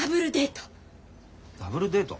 ダブルデート？